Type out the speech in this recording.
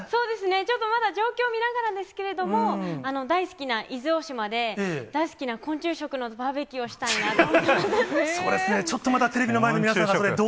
ちょっとまだ状況見ながらですけれども、大好きな伊豆大島で、大好きな昆虫食のバーベキューをしたいなと。